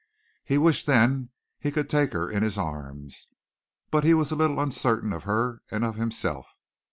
He wished then he could take her in his arms, but he was a little uncertain of her and of himself.